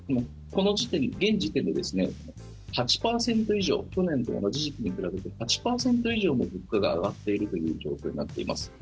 現時点で、８％以上去年の同じ時期と比べて８％以上も物価が上がっているという状況になっています。